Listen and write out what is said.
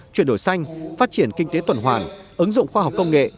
chuyển đổi xanh phát triển kinh tế tuần hoàn ứng dụng khoa học công nghệ